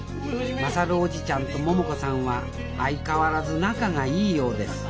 優叔父ちゃんと桃子さんは相変わらず仲がいいようです。